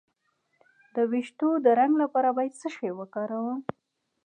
د ویښتو د رنګ لپاره باید څه شی وکاروم؟